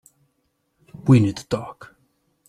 We need to talk.